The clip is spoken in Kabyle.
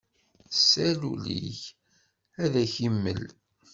Sal ul-ik, ad ak-imel.